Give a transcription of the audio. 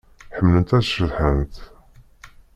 Ḥemmlent ad ceḍḥent.